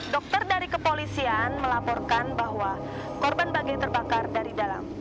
dokter dari kepolisian melaporkan bahwa korban bage terbakar dari dalam